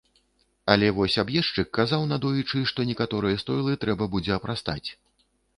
Але вось аб'ездчык казаў надоечы, што некаторыя стойлы трэба будзе апрастаць.